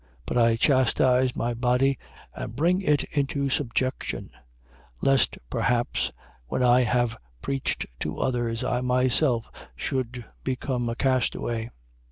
9:27. But I chastise my body and bring it into subjection: lest perhaps, when I have preached to others, I myself should become a castaway.